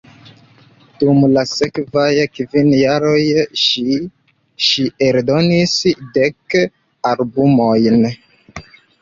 Dum la sekvaj kvin jaroj ŝi ŝi eldonis dek albumojn.